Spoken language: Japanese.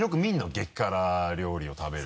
激辛料理を食べる。